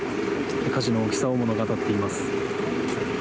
火事の大きさを物語っています。